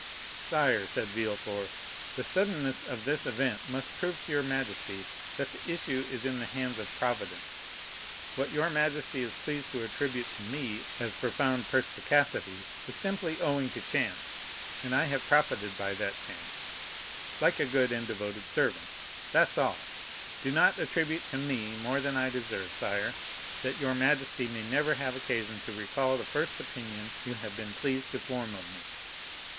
"Sire," said Villefort, "the suddenness of this event must prove to your majesty that the issue is in the hands of Providence; what your majesty is pleased to attribute to me as profound perspicacity is simply owing to chance, and I have profited by that chance, like a good and devoted servant—that's all. Do not attribute to me more than I deserve, sire, that your majesty may never have occasion to recall the first opinion you have been pleased to form of me."